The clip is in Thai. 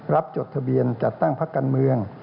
รับจดทะเบียนจัดตั้งพระกันเมือง